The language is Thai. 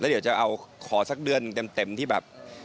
เดี๋ยวจะเอาขอสักเดือนเต็มที่แบบ